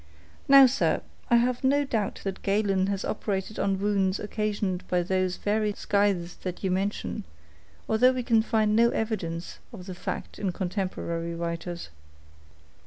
Now, sir, I have no doubt that Galen has operated on wounds occasioned by these very scythes that you mention, although we can find no evidence of the fact in contemporary writers.